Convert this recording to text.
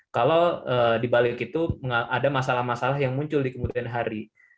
kalau dibalik itu ada masalah masalah yang muncul di kemudian hari